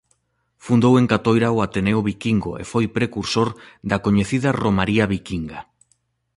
Fundou en Catoira o Ateneo Viquingo e foi precursor da coñecida Romaría Viquinga.